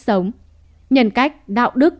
sống nhân cách đạo đức